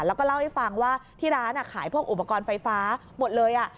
แล้วก็เล่าให้ฟังว่าที่ร้านขายพวกอุปกรณ์ไฟฟ้าหมดเลย